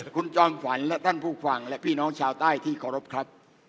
คุณจอมฝันและท่านผู้ฟังและพี่น้องชาวใต้ที่เคารพครับ